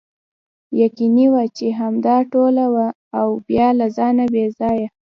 یقیني وه چې همدا ټوله وه او بیا له ځانه بې ځایه.